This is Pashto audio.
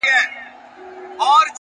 د بدلون لپاره نن کافي دی,